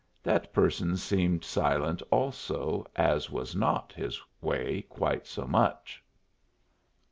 That person seemed silent also, as was not his way quite so much.